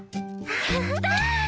やったー！